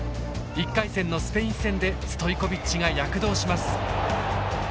１回戦のスペイン戦でストイコビッチが躍動します。